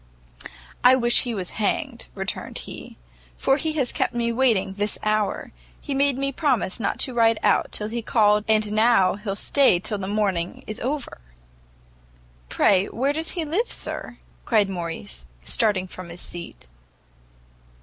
"I wish he was hanged," returned he, "for he has kept me waiting this hour. He made me promise not to ride out till he called and now he'll stay till the morning is over." "Pray where does he live, sir?" cried Morrice, starting from his seat.